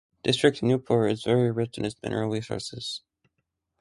District Anuppur is very rich in its mineral resources.